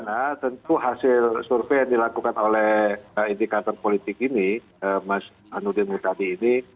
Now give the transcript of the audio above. nah tentu hasil survei yang dilakukan oleh indikator politik ini mas anudin mutadi ini